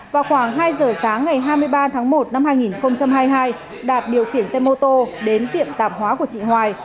vào khoảng hai giờ sáng ngày hai mươi ba tháng một năm hai nghìn hai mươi hai đạt điều khiển xe mô tô đến tiệm tạp hóa của chị hoài